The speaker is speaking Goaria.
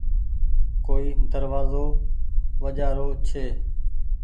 ڪوئي دروآزو وجهآ رو ڇي